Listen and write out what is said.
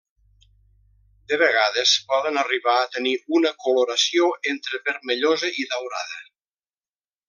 De vegades poden arribar a tenir una coloració entre vermellosa i daurada.